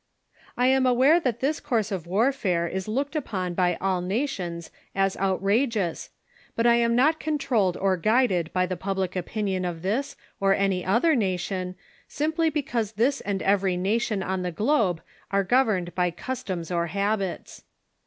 ] I am aware that this course of warfare is looked upon by all nations as outrageous^ but I am not controlled or guided by the public opinion of this or any other nation, simply because this and every nation on the globe are governed by customs or habits.